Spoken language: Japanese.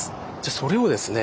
それをですね